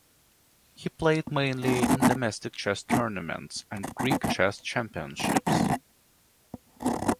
He played mainly in domestic chess tournaments and Greek Chess Championships.